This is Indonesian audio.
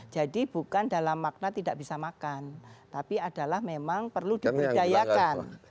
jadi bukan dalam makna tidak bisa makan tapi adalah memang perlu diberdayakan